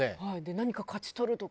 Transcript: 何か勝ち取るとか。